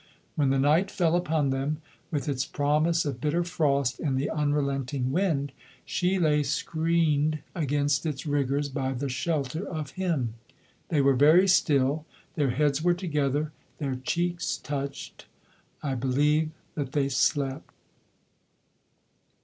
When the night fell upon them, with its promise of bitter frost in the unrelenting wind, she lay screened against its rigours by the shelter of him. They were very still. Their heads were together, their cheeks touched. I believe that they slept.